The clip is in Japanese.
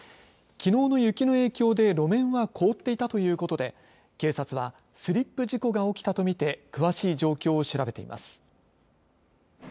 きのうの雪の影響で路面は凍っていたということで警察はスリップ事故が起きたと見て詳しい状況を調べています。